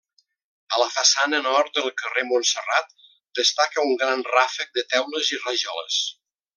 A la façana nord del carrer Montserrat destaca un gran ràfec de teules i rajoles.